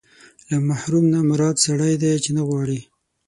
له محروم نه مراد سړی دی چې نه غواړي.